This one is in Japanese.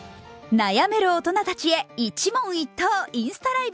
悩める大人たちへ「イチ問一答」インスタライブ。